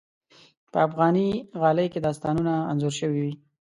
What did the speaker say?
په افغاني غالۍ کې داستانونه انځور شوي وي.